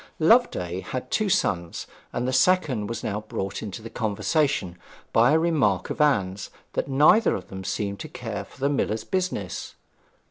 Loveday had two sons, and the second was now brought into the conversation by a remark of Anne's that neither of them seemed to care for the miller's business.